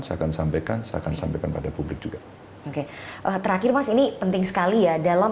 saya akan sampaikan saya akan sampaikan pada publik juga oke terakhir mas ini penting sekali ya dalam